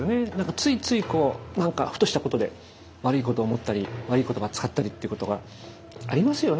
ついついこうなんかふとしたことで悪いこと思ったり悪い言葉使ったりっていうことがありますよね？